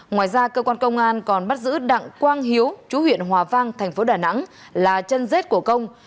ngoài ra cơ quan công an còn bắt giữ đặng quang hiếu chú huyện hòa vang thành phố đà nẵng là chân rết của công